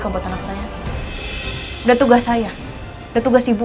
udah tugas saya udah tugas ibu